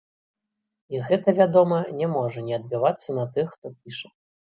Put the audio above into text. І гэта, вядома, не можа не адбівацца на тых, хто піша.